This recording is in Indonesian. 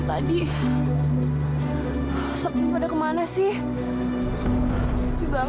cuma berada di mana sayang